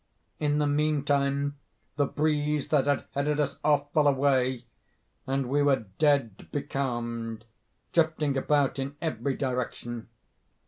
"In the meantime the breeze that had headed us off fell away, and we were dead becalmed, drifting about in every direction.